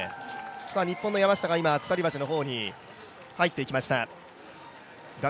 日本の山下が鎖橋の方に入っていきました画面